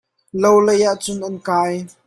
Lo lei ah cun an kai.